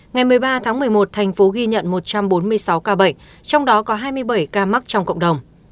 ngày một mươi ba tháng một mươi một thành phố ghi nhận một trăm bốn mươi sáu ca bệnh trong đó có hai mươi bảy ca mắc trong cộng đồng